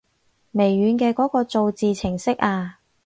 微軟嘅嗰個造字程式啊